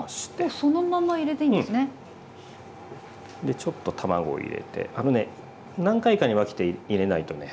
ちょっと卵を入れてあのね何回かに分けて入れないとね